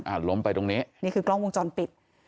ล้มไปตรงนี้นี่คือกล้องวงจรปิด